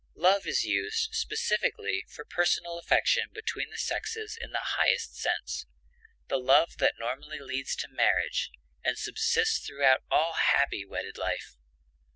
Love is used specifically for personal affection between the sexes in the highest sense, the love that normally leads to marriage, and subsists throughout all happy wedded life.